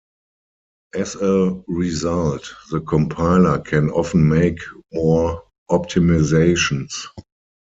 As a result, the compiler can often make more optimizations.